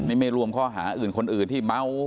นี่ไม่รวมข้อหาอื่นคนอื่นที่เมา